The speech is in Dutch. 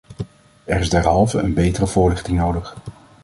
Er is derhalve een betere voorlichting nodig.